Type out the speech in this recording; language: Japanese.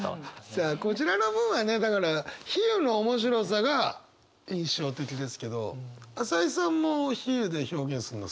さあこちらの文はねだから比喩の面白さが印象的ですけど朝井さんも比喩で表現するの好きでしょ？